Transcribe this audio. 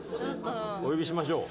お呼びしましょう。